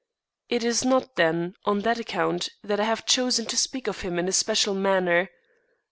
It is not, then, on that account that I have chosen to speak of him in a special manner.